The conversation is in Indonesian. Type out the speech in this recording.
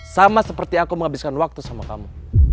sama seperti aku menghabiskan waktu sama kamu